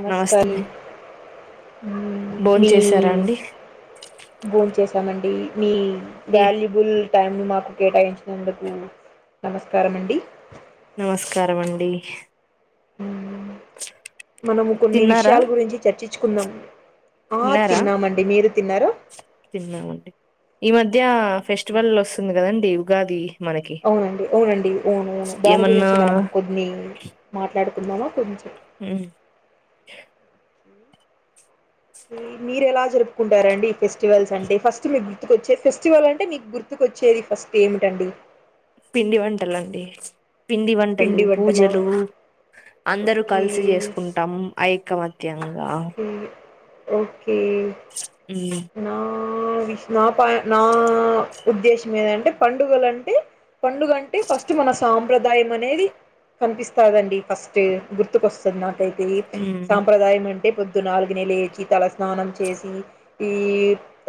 నమస్కారం నమస్తే భోన్ మీ చేసారా అండి భోమ చేసి చెప్పాలండి మీ ఏ వాల్యుబుల్ టైంను మాకు కేటాయించినందుకు నమస్కారం అండి నమస్కారం అండి ఉ మనము కొన్ని తిన్నారా విషయాల గురించి చర్చి చ్చుకుందాం ఆ తిన్నారా తిన్నామండి మీరు తిన్నారా ఈ మధ్య ఫెస్టివల్ వస్తుంది కదండి ఉగాది మనకి అవునండి అవునండి అవునువును దాని ఏమన్నా గురించి మనం కొద్న్ని మాట్లాడుకు కుందమా కొంచెం అ మీరు ఎలా జరుపుకుంటారండి ఈ ఫెస్టివల్స్ అంటే ఫస్ట్ మీకు గుర్తుకు వచ్చే ఫెస్టివల్ అంటే మీకు గుర్తుకు వచ్చేది ఫస్ట్ ఏమిటండి పిండి వంటలండి పిండి వంటలు పిండి వంటల పూజలు అందరు ఓకే కలిసి చేసుకుంటాం ఐ కామాత్ యంగా ఓ ఒకే నా ఆఆ వి నా పా నాఆ ఉద్దేశం ఏదంటే పండుగలు అంటే పండుగ అంటే ఫస్ట్ మన సాంప్రదాయం అనేది కనిపిస్తాదండి ఫస్ట్ గుర్తుకొస్తుంది నాకైతే ఇ ఉమ్ సాంప్రదాయం అంటే పొద్దు నాలుగు నె లేచి తలస్నానం చేసి ఈ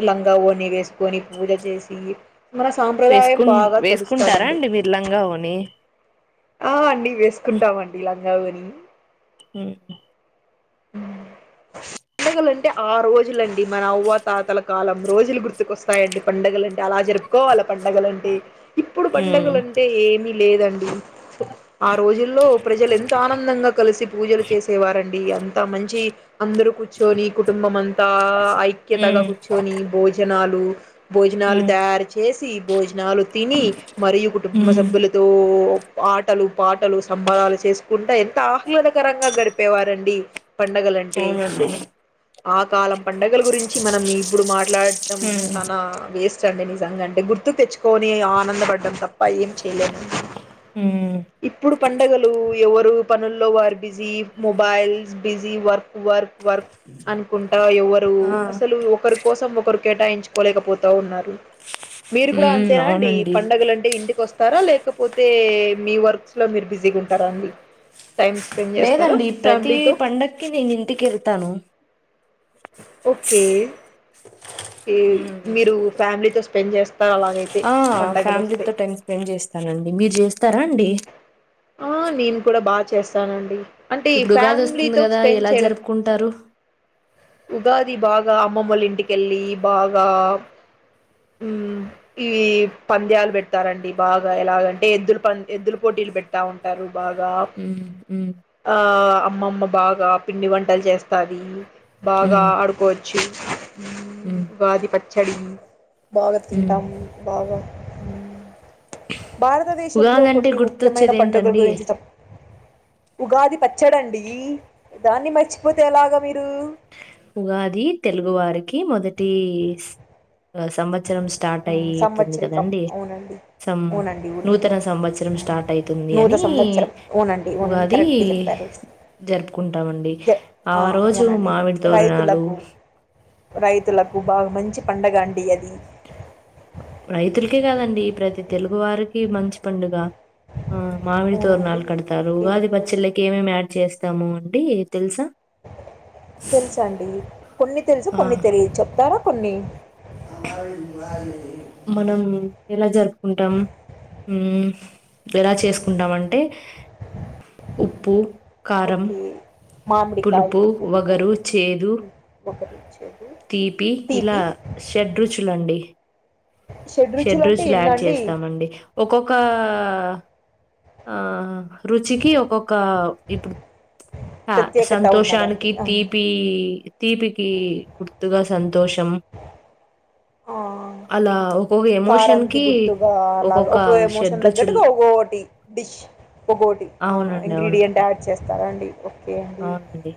లంగా ఓని వేసుకొని పూజ చేసి మన సాంప్రదాయం వేసుకుం బాగా వేసుకుంటారా తెలుస్తదండి. అండి మిర్లంగా ఓని ఆ అండి వేసుకుంటామండి లం గవరి మ్ మ్ పండగలు అంటే ఆ రోజులండి మన అవ్వా తాతల కాలం రోజులు గుర్తుకొస్తాయండి పండగలు అంటే అలా జరుపుకోవాల పండుగల అంటే ఇప్పుడు ఉమ్ పండుగలంటే ఏమి లేదండి ఆ రోజుల్లో ప్రజలు ఎంత ఆనందంగా కలిసి పూజలు చేసేవారండి అంతా మంచి అందరూ కూర్చొని కుటుంబం అంతా ఐక్యతగా ఉమ్ కూర్చొని భోజనాల్ లు భోజనాలు ఉమ్ తయారు చేసి బోజనాలు తిని మరియు కుటుంబ ఉమ్. సభ్యులతో ఆటలు పాటలు సంబరాలు చేసుకుంట ఎంత అ ఇవదకరంగా గడిపే వారండి పండగల్ అంటే అవునండి ఆ కాలం పండగలు గురించి మనం ఇప్పుడు మాట్లాడటం ఉమ్ చానా వేస్ సండే నిజంగా అంటే గుర్తు తెచ్ పోనీ ఆనందపడ్డం తప్ప ఏం చేయలేం అండి ఉమ్ ఇప్పుడు పండగలు ఎవరు పనుల్లో వారు బిజీ మొబైల్స్ బిజీ వర్క్ వర్ వర్ అనుకుంటా ఎవరు ఆ అసలు ఒకరు కోసం ఒకరు కేటాయించ్కోలేకపోత ఉన్నారు మీరు కుడ ఉమ్ అంతేనా అండి అవునండి పండగల్ అంటే ఇంటికి ఒస్తారా లేకప్ పోతే మీ వర్క్స్ లో మీరు బిజీగా ఉంటారా అండి టైం స్పెండ్ చేస్తారా లేదండి ప్రతి ఫ్యామిలీతో పండక్కి నేన్ ఇంటికి ఎళ్తాను ఒకే ఎయ్ మీరు ఫ్యామిలీతోస్ పెన్జెస్ ఆ ఫ్యామిలీతో టైం స్పెండ్ చేస్తానండి మీరు చేస్తారా అండి ఆ నేన్ కుడ బా చేస్తానండి అంటే ఈ ఇప్పుడు ఉగాది వస్తుంది ఫ్యామిలీతో కదా స్పెండ్ ఎలా చేయడం జరుపుకుంటారు ఉగాది బాగా అమ్మమోల్ ఇంటికెళ్లి బాగా ఉమ్ ఈ పాంద్యాల్ పెడతారండి బాగా ఎలాగంటే ఎద్దుల్ పం ఎద్దల్ పోటీలు పెడతా ఉంటారు. బాగా ఉం ఉ ఆ అమ్మమ్మ బాగా పిండి వంటల్ చేస్తాది బాగా ఉమ్ ఆడుకోన్ [inaudible] ఉమ్ ఉగాది పచ్ ఛడ్డింగ్ బాగా ఉమ్ తింటాము బాగా హుమ్ భారతదేశంలో ఉగాది అంటే కొన్ని ముఖ్యమైన గుర్తొచ్చేది పండుగలు ఏంటండి గురించి చెప్ ఉగాది పచ్చడండీ దాన్ని మర్చిపోతే ఎలాగ మీరు ఉగాది తెలుగు వారికి మొదటీ సంవత్సరం స్టార్ట్ మ్, అయితుంది సంవత్సరికం కదండి అవునండి సం అవునండి అవునండి నూతన సంవత్సరం మ్, స్టార్ట్ అయితుంది నూతన అని సంవత్సరం అవునండి అవునండి ఉగాది కరెక్ట్గా చెప్పారు జరుపుకుంటామం నండి జ- ఆ రోజు అవునండి మామిడి తోరణాలు రైతులకు రైతులకు బాగా మంచి పండగ అండి అది. రైతుల్కే కాదండి ప్రతి తెలుగు వారికి మంచి పండుగ ఆ అవునండి మామిడితోరనాలు కడతారు, ఓకే ఉగాది ఓకే పచ్చళ్ళకి ఏమేమి యాడ్ చేస్త ఇద్దాము అండి. తెలుసా తెలుసండి కొన్ని తెలుసు ఆ కొన్ని తెలిదు చెప్తారా కొన్ని మనం ఎలా జరుపుకుంటాం ఉమ్ ఎలా చేసుకుంటాం అంటే ఉప్పు కారం ఒకే మామిడికాయ పులుపు ఉప్పు వగరు చేదు మ్ ఒక తీపి ఇలా షడ్రుచులండి అంటే షడ్రుచులు యాడ్ ఎన్నండి చేస్తామండి ఒక్కొక్క ఆహ రుచికి ఒక్కొక్క ఇప్పుడు ఆ ప్రత్యేకత ఉన్నదండి సంతోషానికి ఆ తీపీ తీపికి గుర్తుగ ఆ అలా ఒక్కొక్క ఎమోషన్ కారంకి కి గుర్తుగా అలాగా ఒక్కొక్క ఒక్కొ ఎమోషన్ షడ్రుచులు తగ్గట్టుగా ఒక్కొటి డిష్ ఒక్కొటి ఆ అవునండి ఇంగ్రీడియంట్ అవునండి యాడ్ చేస్తారాండి. కే అండి అవునండి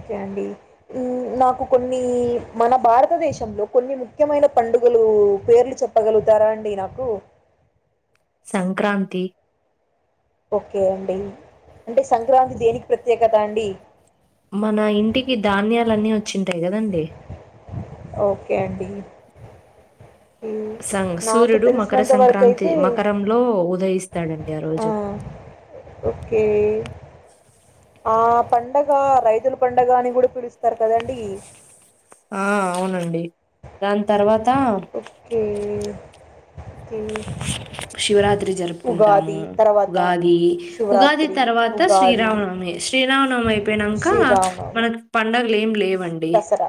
ఓకే అండి ఉ నాకు కొన్ని మన భారతదేశంలో కొన్ని ముఖ్యమైన పండుగలు పేర్లు చెప్పగలుగుతారా అండి నాకు సంక్రాంతి ఓకే అండి అంటే సంక్రాంతి దేనికి ప్రత్యేకం కదండి మన ఇంటికి ధాన్యాలన్నీ వచ్ వచ్చుంటాయి కదండి ఒకే అండి ఈ సంక్ నాకు సూర్యుడు మకర తెలిసినంత వరకు సంక్రాంతి అయితే మకరంలో ఉదయిస్తాడండి ఆ రోజు ఓకే. ఆ పండగ రైతుల పండగ అని కూడా పిలుస్తారు కదండి ఆ అవునండి. దాని తర్వాత హ్మ్ శివరాత్రి జరుపుకుంటాము ఉగాది తర్వాత ఉగాది ఉగాది శివరాత్రి, తర్వాత ఉగాది, శ్రీరామనవమి శ్రీరామనవమి అయిపోయినాక శ్రీరామనవమి, మనకి పండగ ఏమ్ లేవు దసరా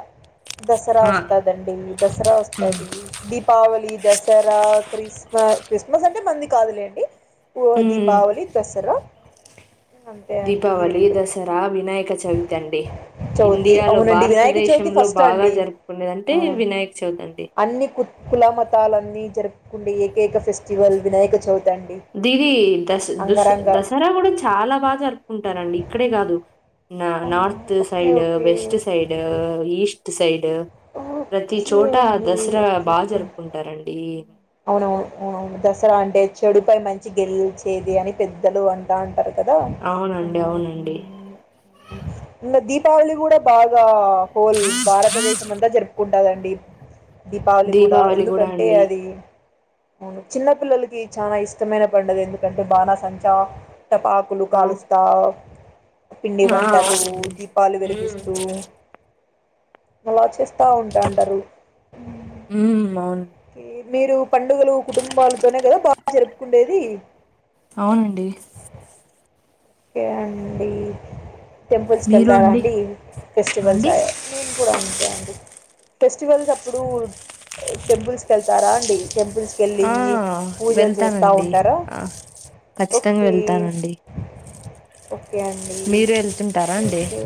దసరా వస్తదండి దసరావస్తాది దీపావళి దసరా క్రిస్ క్రిస్మస్ అంటే మంది కాదులేండి ఓ ఉమ్ దీపావళ దసరా అంతే అండి ఈ దీపావళి రెండు. దసరా వినాయక చవితండి చవితి ఇండియాలో అవునండి భారత్ వినాయక చవితి భారతదేశంలో ఫస్ట్ బాగా అండి. జరుపుకునేదింటే ఆ! వినాయక్ చవితండి అన్ని కు కులమతాలన్నీ జరుపుకుంటే ఏకైక ఫెస్టివల్ వినాయక చవితి అండి దీది దస్ దస్ అంగరంగ దసరా కూడా చాలా బాగా జరుపుకుంటారండి ఇక్కడే కాదు నా north okay side okay west side east side side ప్రతి ఓకే చోట అండి దసరా బాగా జరుపుకుంటారండి అవునూ అవును దసరా అంటే చెడుపై మంచి గెలిచేది అని పెద్దలు అంటా ఉంటారు కదా అవును అవునండి. అవును అవునండి. మీరు దీపవళి కూడా బాగా ఆ హోల్ భారతదేశం అంతా జరుపుకుంటాదండి దీపావళి కూడా గూడా ఎందుకంటే అండి. అది అవును చిన్న పిల్లలకి చాలా ఇష్టమైన పండుగ ఎందుకంటే బానాసంచా టపాకులు అవు కాలుస్తా ఆ! పిండివన్ బట్టలు అవునండి. దీపాలు హ్మ్. వెలిగిస్తూ అలావాచేసి ఉంటాండరు హ్మ్. అవును. మీరు పండుగలు కుటుంబాలతోనే కదా బాగా జరుపుకుండేది అవునండి. యా అండి టెంపుల్స్కి మీరు అండి? వెళ్తారాండి ఫెస్టివల్స్ అండి? నేను కూడా అంతే అండి ఫెస్టివల్స్ అప్పుడు టెంపుల్స్ క వెళ్తారా అండి టెంపుల్స్కి వెళ్ళి ఆ! పూజలు చేస్తూ వెళ్తానండి. ఉంటారా ఆ! ఖచ్చితంగా ఓకే వెళ్తానండి. ఓకే అండి మీరు ఎళ్తుంటారా అండి? ఓకే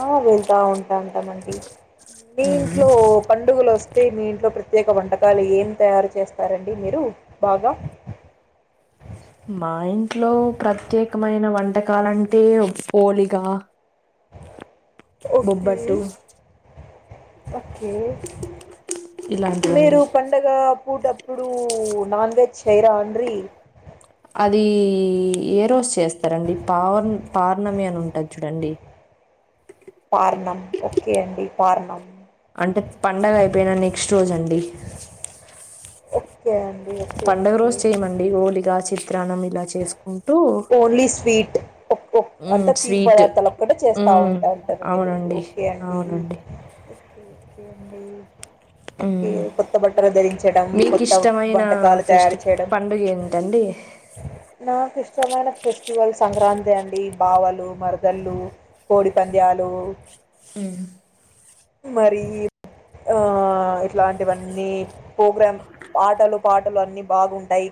ఆ వెళ్తా ఉంటా ఉంటామండి మీ హ్మ్. ఇంట్లో పండుగలు వస్త అతే మీ ఇంట్లో ప్రత్యేక వంటకాలు ఏం తయారు చేస్తారండి మీరు బాగా మా ఇంట్లో ప్రత్యేకమైన వంటకాలంటే పోోలిగా ఓే ఓకే ఇలాంటివండి మీరు పండగ పూట ఇప్పుడు నాన్ వెజ్ చేైరా అండీ అది ఏ రోజు చేస్తారండి పావర్ పవర్ణమి అని ఉంటుది చూడండి పారనం ఓకే అండి పారనం అంటే పండగ అయిపోయిన నెక్స్ట్ రోజ అండి ఓకే అండి ఓకే పండగ ఓకే. రోజు చేయమండి గోళగా చిట్ ప్రాణం ఇలా చేసుకు ఓన్లీ స్వీట్ మ్మ్ అంత తీపి స్వీట్ పదార్థాలు ఒక్కట చేస్తా మ్మ్ ఉంటాంటారు మీరు అవునండి ఓకే అండి అవునండి ఎండీ మ్మ్ కొత్త బట్టలు ధరించడం మీకు కొత్త ఇష్టమైన వంటకాలు ఫెస్ట్ తయారు చేయడం పండుగ ఏంటండి నా మైన ఫెస్టివల్ సంక్రాంతి అండి బావలు మరదళ్ళు కోడిపంద్యాలు హ్మ్మ్ మరి ఆ ఇట్లాంటివన్నీ ప్రోగ్రామ్ పాటలు పాటలు అన్నిీ బాగుంటాయి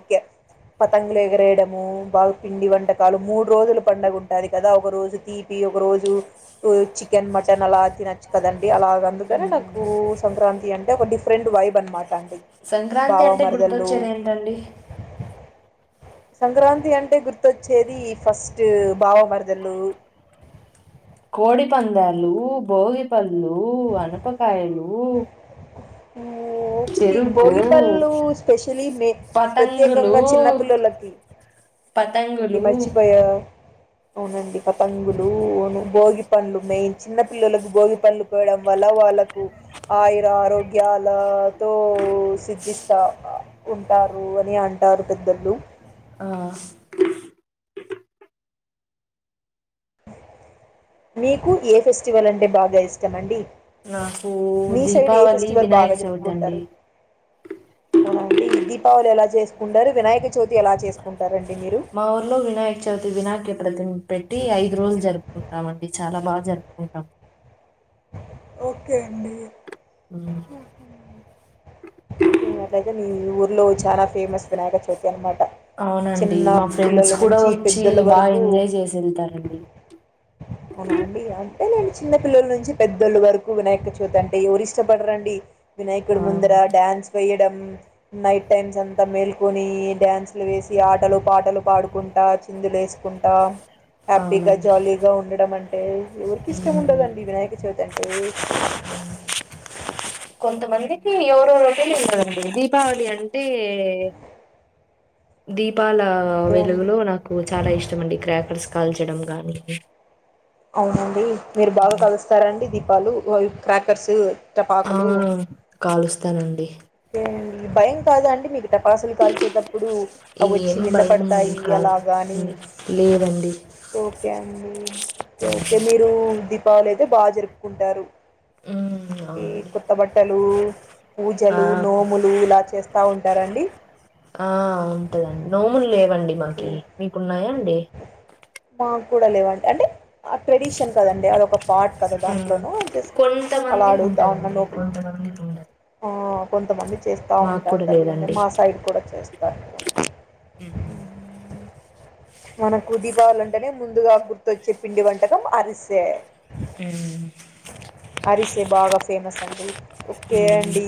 పతంగలు ఎగిరేయడము బాగు పిండి వంటకాలు మూడు రోజులు పడుగ ఉంటుంది కదా ఒక రోజు తీపి ఒక రోజు చికెన్ మటన్ అలా తినచ్చు కదండి అలాగ అందుకనే నాకు సంక్రాంతి అంటే ఒక డిఫరెంట్ వైబ్ అనమాట అండి సంక్రాంతి బావ అంటే మరదళ్ళు గుర్తొచ్చేది ఏంటండి సంక్రాంతి అంటే గుర్తొచ్చేది ఫస్ట్ బావ వరదలు కోడిపందాలు భోగిపళ్ళు అనపకాయలు చెరుకు భోగిపళ్ళు స్పెషలీ మే పతంగులు ప్రత్యేకంగా చిన్న పిల్లలకి అవునండి పతంగులు మర్చిపోయా అవునండి పత భోగి పంలు మెయిన్ చిన్న పిల్లలకు భోగి పండ్లు పోయడం వల్ల వాళ్ళకు ఆయు ఆరోగ్య గ్యాలతో సిద్ధిస్తా ఉంటారు అని అంటారు పెద్దలు ఆ మీకు ఏ ఫెస్టివల్ అంటే బాగా ఇష్టం అండి నాకు మీ సైడ్ ఏ దీపావళి ఫెస్టివల్ వినాయక బాగా చవితి అండి జరుపుకుంటారు అవునా అండి ఈ ఎలా చేసుకుంటారు వినాయక చవితి ఎలా చేసుకుంటారండి మీరు మా ఊర్లో వినాయక చవితి వినాయక ప్రతి పెట్టి ఐదు రోజులు జరుపుకూన్ కావండి చాలా బాగా జరుపుకుంటాం ఓకే అండి ఉమ్, మ్మ్ హ్మ్ ఏ అట్లయితే నేన్ ఈ ఊర్లో చాలా ఫేమస్ వినాయక చవితి అన్నమాట అవునండి చిన్న మా ఫ్రెండ్స్ పిల్లల కూడా నుంచి వచ్చి పెద్దళ్ల బాగా వరకు ఎంజాయ్ చేసి వెళ్తారండి అవునా అండి అంటే నేను చిన్న పిల్లల నుంచి పెద్దోళ్ళ వరకు వినాయకచవితి అంటే ఎవరు ఇష్టపడరండి ఆ వినయకుడు ముందరా డాన్స్ వేయట్ నైట్ టైమ్స్ అంతా మేల్కొని డ్యాన్స్లు వేసి ఆటలు పాటలు పాడుకుంటా చిందులు వేస్ కుంట హ్యాపీగా అవునండి జాలీగా ఉండట్ అంటే ఎవరికి ఇష్టం ఉమ్. ఉండదండి వినాయక చవితి అంటే ఈ కొంతమందికి ఎవరో రోజులు ఉండదండి దీపావళి అంటే దీ దపాల అంతే అండి వెలుగులో నాకు చాలా ఇష్టం అండి క్రాకర్స్ కాల్చడం అలా అండి అవునండి మీరు బాగా కలుస్తారండి దీప్ వాలు క్రాకర్సు ఆ టపాకులు కాలుస్తానండి ఏ భయం కాద అండి మీకు టపాసులు కాల్చేటప్పుడు అవి వచ్చి ఏం భయం నిందపడతాయి కాదు అలాగానీ హ్మ్. లేదండి బాాలేద బాగా జరుపుకుంటారు మ్మ్ అవునండి కొత్తబట్టలు పూజ్ ఆ లు నోములు ఇలా చేస్తా బాగుంటారండి ఆ ఉంటదండి నోములు లేవండి ఓకే మాకి మీకున్నాయా అండి ఏక్ మాకు కూడా లేవండి అంటే ఆ ట్రెడిషన్ కదండి అది ఒక బాట్ కదా ఆ దాంట్లోన జస్ట్ అలా కొంతమందికి అడుగుతా ఉన్న ఉంటదండి నో్పులు కొంతమందికి ఉండదు ఆ కొంతమంది చేస్తూ మాకు కూడా ఉంటాంటట్లండి లేదండి మా సైడ్ కూడా చేస్తా మ్మ్ మనకు దీపావలంటేనే ముందుగా గుర్తొచ్చే పిండి వంటకం అరిసే మ్మ్ అరిసే బాగా ఫేమస్ అండి ఓకే అండి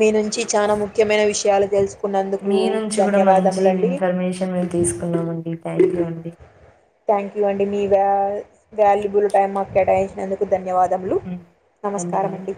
మీ నుంచి చాలా ముఖ్యమైన విషయాలు తెలుసుకున్నందుకు మీ నుంచి కూడా మంచి ధన్యవాదములండి ఇన్ఫర్మేషన్ మేము తీసుకున్నామండి థ్యాంక్ యూ అండి థ్యాంక్ యూ అండి మీ వాల్ వాల్యుబుల్ టైమ్ మాకు కేటాయించినందుకు ధన్యవాద దములు హ్మ్. ధన్యవాదాలు. నమస్కారమండి